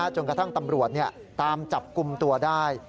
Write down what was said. จนกระทั่งตำรวจตามจับกลุ่มตัวได้